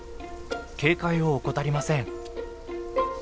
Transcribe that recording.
警戒を怠りません。